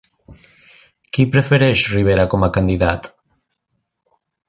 Qui prefereix Rivera com a candidat?